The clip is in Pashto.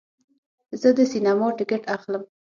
زه د سینما ټکټ اخلم.